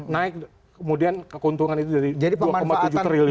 naik kemudian keuntungan itu dari dua tujuh triliun